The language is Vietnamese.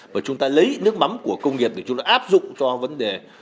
và chúng ta lấy nước mắm của công nghiệp để chúng ta áp dụng cho vấn đề